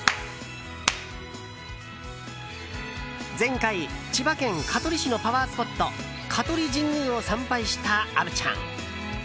前回、千葉県香取市のパワースポット香取神宮を参拝した虻ちゃん。